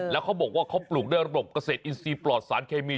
แล้วเขาบอกว่าเขาปลูกด้วยระบบเกษตรอินทรีย์ปลอดสารเคมี